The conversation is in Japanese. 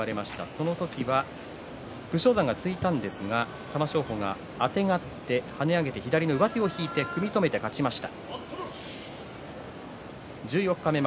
その時は武将山が突いたんですが玉正鳳があてがって跳ね上げて左の上手を引いて組み止めて勝ちました。